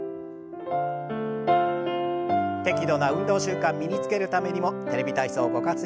適度な運動習慣身につけるためにも「テレビ体操」ご活用ください。